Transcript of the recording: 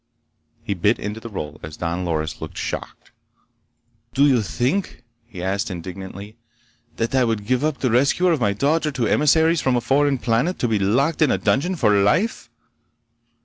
He bit into the roll as Don Loris looked shocked. "Do you think," he asked indignantly, "that I would give up the rescuer of my daughter to emissaries from a foreign planet, to be locked in a dungeon for life?"